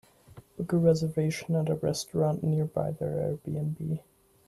Book a reservation at a restaurant nearby their airbnb